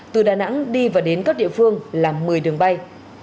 từ đà nẵng đi và đến các địa phương là một mươi đường bay